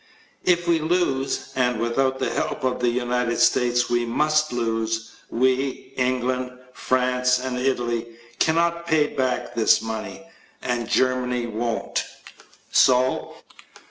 If we lose (and without the help of the United States we must lose) we, England, France and Italy, cannot pay back this money ... and Germany won't. So